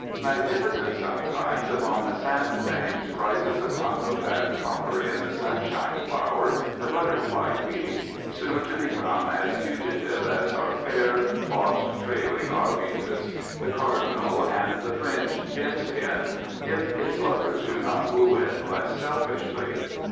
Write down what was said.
Magnificent sometimes upon the sand banks rises a clump of that copper in the sunshine flower, the butterfly weed, soon to become as fugitive as our fair, lost trailing arbutus, the cardinal, and the fringed gentian, if its lovers do not woo it less selfishly.